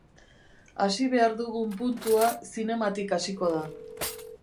Hasi behar dugun puntua zinematik hasiko da.